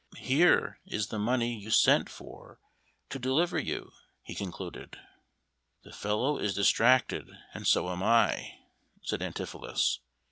"Here is the money you sent for to deliver you," he concluded. "The fellow is distracted, and so am I," said Antipholus.